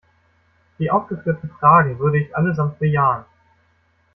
Die aufgeführten Fragen würde ich allesamt bejahen.